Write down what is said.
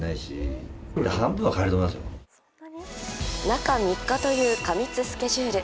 中３日という過密スケジュール。